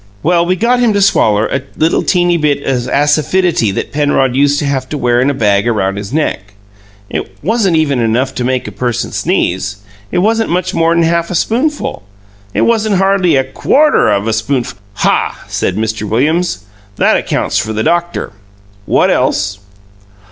"Well we got him to swaller a little teeny bit of asafidity that Penrod used to have to wear in a bag around his neck. It wasn't enough to even make a person sneeze it wasn't much more'n a half a spoonful it wasn't hardly a QUARTER of a spoonf " "Ha!" said Mr. Williams. "That accounts for the doctor. What else?"